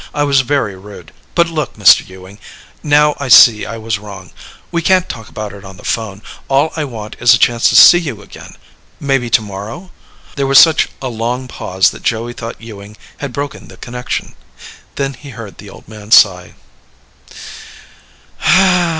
"I was very rude. But look, Mr. Ewing, now I see I was wrong. We can't talk about it on the phone. All I want is a chance to see you again. Maybe tomorrow?" There was such a long pause that Joey thought Ewing had broken the connection. Then, he heard the old man sigh.